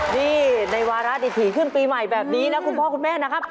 นี่ในวาระดิถีขึ้นปีใหม่แบบนี้นะคุณพ่อคุณแม่นะครับ